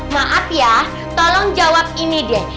maaf ya tolong jawab ini deh